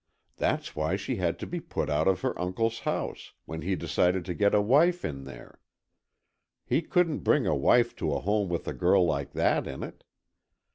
That's why she had to be put out of her uncle's house, when he decided to get a wife in there. He couldn't bring a wife to a home with a girl like that in it.